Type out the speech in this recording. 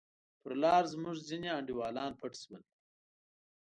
پر لار زموږ ځیني انډیوالان پټ شول.